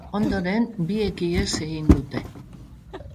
Ondoren, biek ihes egin dute.